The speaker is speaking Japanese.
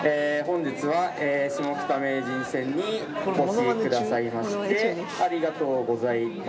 本日はえシモキタ名人戦にお越しくださいましてありがとうございます。